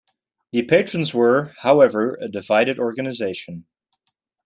The Patrons were, however, a divided organization.